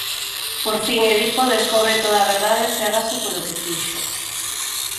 Por fin Edipo descobre toda a verdade e cégase polo que fixo.